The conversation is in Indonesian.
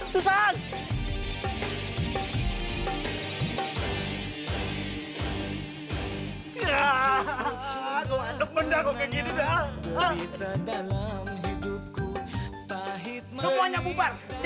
susah mau kemana eh kita kan mau kawin